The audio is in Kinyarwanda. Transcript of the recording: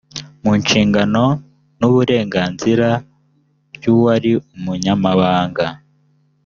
mu nshingano n’uburenganzira by ‘uwari umunyamabanga